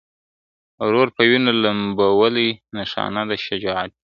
ورور په وینو لمبولی نښانه د شجاعت وي !.